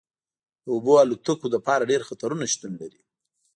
د اوبو الوتکو لپاره ډیر خطرونه شتون لري